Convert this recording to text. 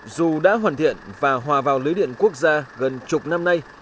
dù đã hoàn thiện và hòa vào lưới điện quốc gia gần chục năm nay